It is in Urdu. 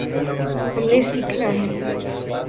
ہم نے سیکھنا ہے۔